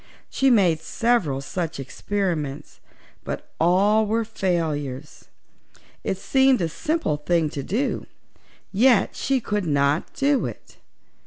She made several such experiments, but all were failures. It seemed a simple thing to do, yet she could not do it.